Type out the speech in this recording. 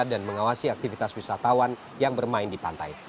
dan mengawasi aktivitas wisatawan yang bermain di pantai